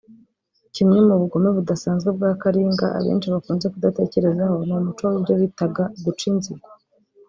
Kimwe mu bugome budasanzwe bwa kalinga abenshi bakunze kudatekerezaho ni umuco w’ibyo bitaga guca inzigo